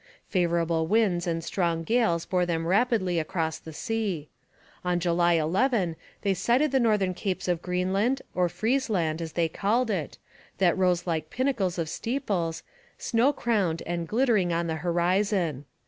Favourable winds and strong gales bore them rapidly across the sea. On July 11, they sighted the southern capes of Greenland, or Frisland, as they called it, that rose like pinnacles of steeples, snow crowned and glittering on the horizon.